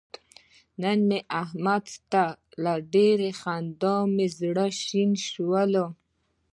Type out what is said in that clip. نن مې احمد ته له ډېرې خندا مې زره شنه شوله.